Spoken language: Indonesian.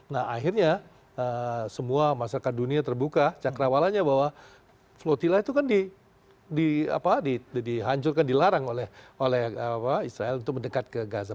nah akhirnya semua masyarakat dunia terbuka cakrawalanya bahwa flotilla itu kan dihancurkan dilarang oleh israel untuk mendekat ke gaza